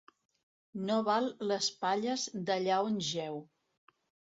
No val les palles d'allà on jeu.